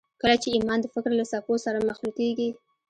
کله چې ايمان د فکر له څپو سره مخلوطېږي.